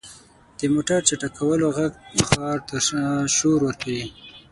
• د موټر چټکولو ږغ ښار ته شور ورکوي.